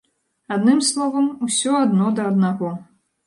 Адным словам, усё адно да аднаго.